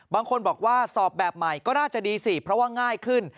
บางคนบอกว่าสอบแบบใหม่ก็น่าจะดีสิเพราะว่าง่ายขึ้น